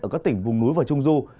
ở các tỉnh vùng núi và trung du